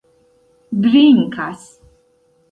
drinkas